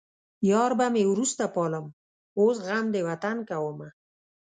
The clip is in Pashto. يار به مې وروسته پالم اوس غم د وطن کومه